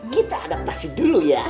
kita adaptasi dulu ya